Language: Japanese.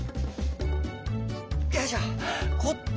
よいしょっ！